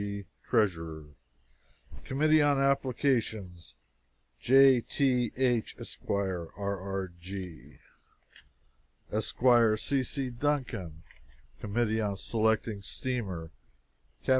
G, Treasurer Committee on Applications J. T. H, ESQ. R. R. G, ESQ. C. C. Duncan Committee on Selecting Steamer CAPT.